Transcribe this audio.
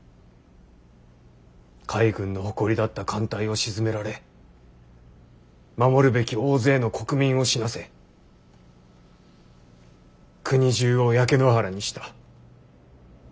海軍の誇りだった艦隊を沈められ守るべき大勢の国民を死なせ国中を焼け野原にした。